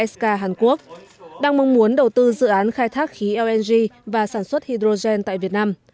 sk hàn quốc đang mong muốn đầu tư dự án khai thác khí lng và sản xuất hydrogen tại việt nam